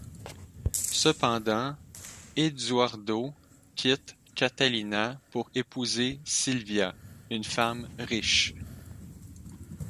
Cependant, Eduardo quitte Catalina pour épouser Silvia, une femme riche.